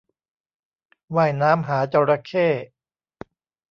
ว่ายน้ำหาจระเข้